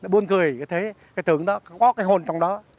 buôn cười như thế cái tượng đó có cái hồn trong đó